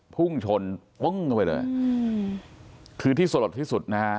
พุ่งชนปึ้งเข้าไปเลยอืมคือที่สลดที่สุดนะฮะ